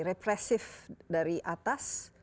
represif dari atas